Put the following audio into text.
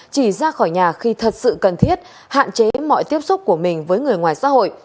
chỉ ra khỏi nhà khi thật sự cần thiết hạn chế mọi tiếp xúc của mình với người ngoài xã hội